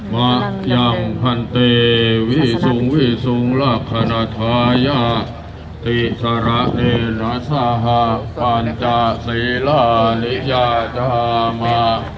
มะยังพันติวิสุงวิสุงละขณะท้ายาติสระเนนัสสาหะปัญจาศรีละนิยาจามะ